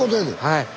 はい。